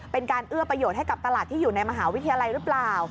เป็นการเอื้อประโยชน์ให้กับตลาดที่อยู่ในมหาวิทยาลัยหรือเปล่า